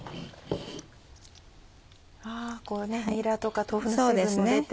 にらとか豆腐の水分も出て。